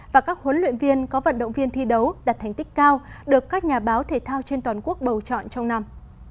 và các huấn luyện viên có vận động viên thi đấu đạt thành tích cao được các nhà báo thể thao trên toàn quốc bầu chọn trong năm